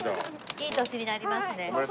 いい年になりますね。